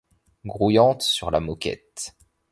Grouillante sur la moquette.